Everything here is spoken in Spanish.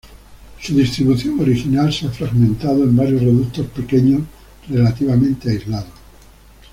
Su distribución original se ha fragmentado en varios reductos pequeños, relativamente aislados.